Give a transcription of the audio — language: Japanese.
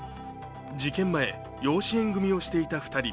事件前、養子縁組をしていた２人。